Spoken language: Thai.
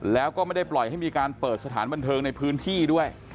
แล้วก็ไม่ได้ปล่อยให้มีการเปิดสถานบันเทิงในพื้นที่ด้วย